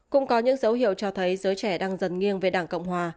cũng có những dấu hiệu cho thấy giới trẻ đang dần nghiêng về đảng cộng hòa